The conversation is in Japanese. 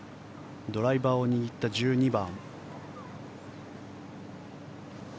ドライバーを握った１２番。